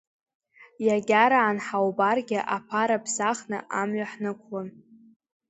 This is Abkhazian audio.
Иагьараан ҳаубаргьы, аԥара ԥсахны амҩа ҳнықәлон.